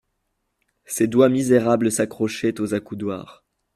Ses doigts misérables s'accrochaient aux accoudoirs.